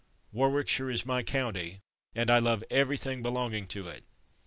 Warwickshire is my county, and I love everything belonging to it.